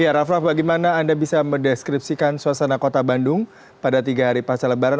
ya raff raff bagaimana anda bisa mendeskripsikan suasana kota bandung pada tiga hari pasca lebaran